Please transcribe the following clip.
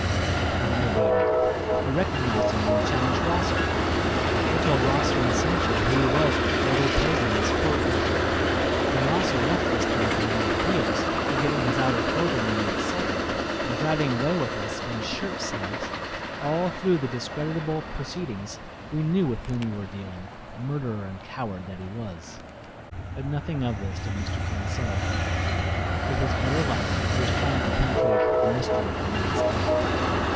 He might have added: "I recognized him when he challenged Rosser. I told Rosser and Sancher who he was before we played him this horrible trick. When Rosser left this dark room at our heels, forgetting his outer clothing in the excitement, and driving away with us in his shirt sleeves all through the discreditable proceedings we knew with whom we were dealing, murderer and coward that he was!" But nothing of this did Mr. King say. With his better light he was trying to penetrate the mystery of the man's death.